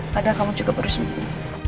padahal kamu juga baru sembunyi